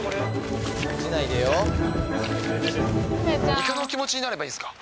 イカの気持ちになればいいんですか？